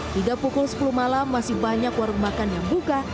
hingga pukul sepuluh malam masih banyak warung makan yang buka